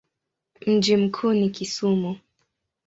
Mji mkuu ni Kisumu.